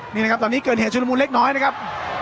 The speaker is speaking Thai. นี่นะครับตอนนี้เกิดเหตุชุดละมุนเล็กน้อยนะครับ